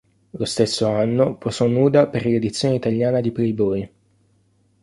Lo stesso anno posò nuda per l'edizione italiana di Playboy.